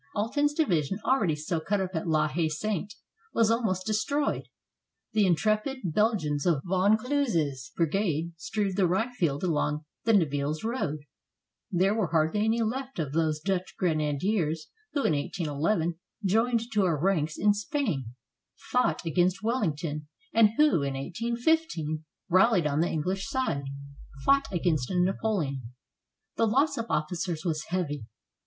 Alten's division, already so cut up at La Haye Sainte, was almost destroyed; the intrepid Bel gians of Van Kluze's brigade strewed the rye field along the Nivelles road; there were hardly any left of those Dutch grenadiers who, in 1811, joined to our ranks in Spain, fought against WelHngton, and who, in 181 5, 376 WATERLOO rallied on the English side, fought against Napoleon. The loss of officers was heavy.